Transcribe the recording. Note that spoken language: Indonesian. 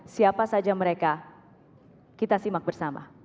siapa saja mereka kita simak bersama